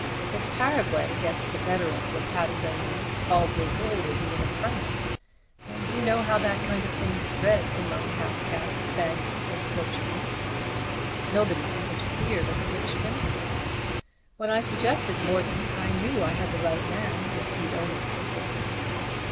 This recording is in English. If Paraguay gets the better of the Patagonese all Brazil will be in a ferment, and you know how that kind of thing spreads among half caste Spaniards and Portuguese. Nobody can interfere but the British Minister. When I suggested Morton I knew I had the right man if he'd only take it."